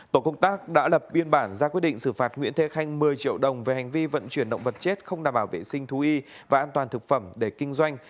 tổ công tác đã lập biên bản ra quyết định xử phạt nguyễn thế khanh một mươi triệu đồng về hành vi vận chuyển động vật chết không đảm bảo vệ sinh thú y và an toàn thực phẩm để kinh doanh